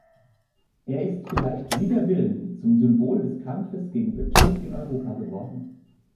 Er ist vielleicht wider Willen zum Symbol des Kampfes gegen Betrug in Europa geworden.